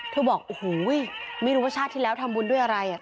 บอกโอ้โหไม่รู้ว่าชาติที่แล้วทำบุญด้วยอะไร